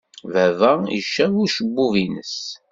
Baba icab ucebbub-nnes.